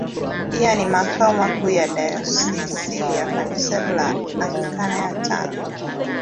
Pia ni makao makuu ya Dayosisi ya Kanisa la Anglikana ya Tanga.